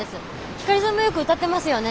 ヒカリさんもよく歌ってますよね？